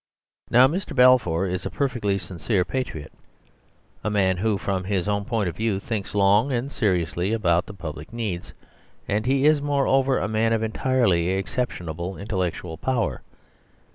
Now Mr. Balfour is a perfectly sincere patriot, a man who, from his own point of view, thinks long and seriously about the public needs, and he is, moreover, a man of entirely exceptionable intellectual power.